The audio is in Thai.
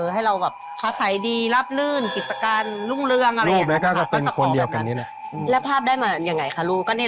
ให้เราแบบค้าขายดีรับลื่นกิจการรุ่งเรืองอะไรอย่างนี้